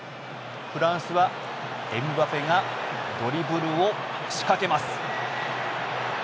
フランスはエムバペがドリブルを仕掛けます。